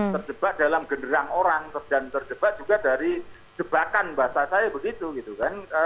terjebak dalam genderang orang dan terjebak juga dari jebakan bahasa saya begitu gitu kan